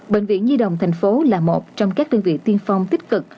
bệnh viện nhi đồng thành phố là một trong các đơn vị tiên phong tích cực